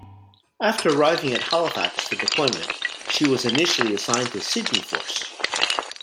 After arriving at Halifax for deployment, she was initially assigned to Sydney Force.